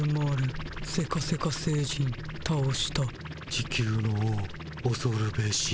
地球の王おそるべし。